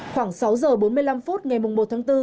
khoảng sáu giờ bốn mươi năm phút ngày một tháng bốn